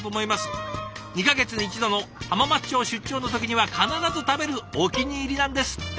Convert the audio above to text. ２か月に１度の浜松町出張の時には必ず食べるお気に入りなんですって！